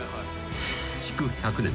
［築１００年。